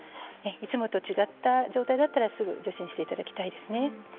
いつもと違う状態だったらすぐ受診していただきたいと思います。